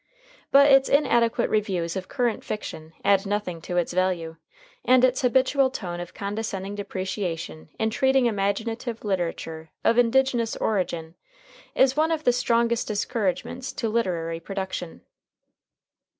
But its inadequate reviews of current fiction add nothing to its value, and its habitual tone of condescending depreciation in treating imaginative literature of indigenous origin is one of the strongest discouragements to literary production.